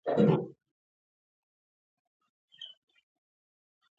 د ماشومانو ښوونه د ټولنې پرمختګ لپاره ضروري ده.